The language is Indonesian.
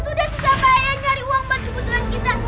tuh deh kita bayangkan dari uang buat kebutuhan kita